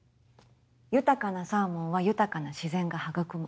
豊かなサーモンは豊かな自然が育む。